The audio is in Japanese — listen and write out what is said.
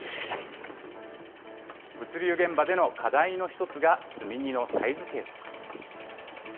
物流現場での課題の一つが、積み荷のサイズ計測。